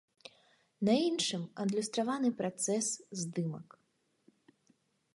На іншым адлюстраваны працэс здымак.